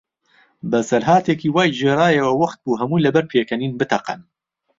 بەسەرهاتێکی وای گێڕایەوە، وەختبوو هەموو لەبەر پێکەنین بتەقن.